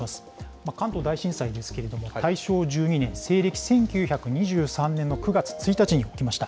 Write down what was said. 関東大震災ですけれども、大正１２年、西暦１９２３年の９月１日に起きました。